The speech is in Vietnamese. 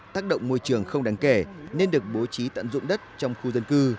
tác động môi trường không đáng kể nên được bố trí tận dụng đất trong khu dân cư